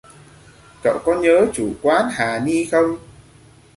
Cậu có nhớ chủ quán hà ni không